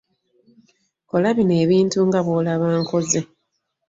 Kola bino ebintu nga bw'olaba nkoze.